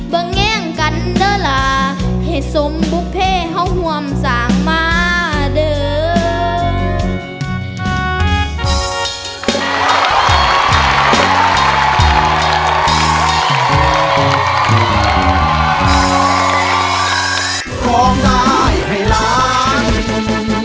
บ่แง่งกันเด้อล่ะให้สมบุคเพศเขาห่วมสามาร์เด้อ